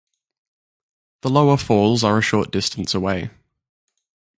The lower falls are a short distance away.